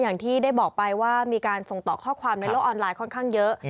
อย่างที่ได้บอกไปว่ามีการส่งต่อข้อความในโลกออนไลน์ค่อนข้างเยอะ